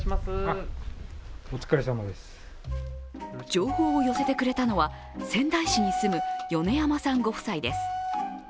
情報を寄せてくれたのは、仙台市に住む米山さんご夫妻です。